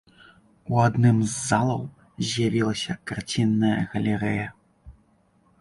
У адным з залаў з'явілася карцінная галерэя.